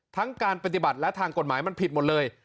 การปฏิบัติและทางกฎหมายมันผิดหมดเลย